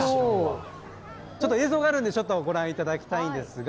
映像があるんでちょっとご覧いただきたいんですが。